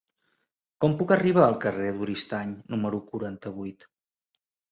Com puc arribar al carrer d'Oristany número quaranta-vuit?